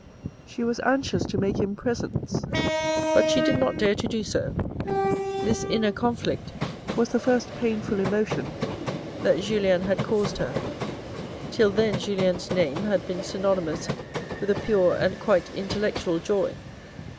She was anxious to make him presents, but she did not dare to do so. This inner conflict was the first painful emotion that Julien had caused her. Till then Julien's name had been synonymous with a pure and quite intellectual joy.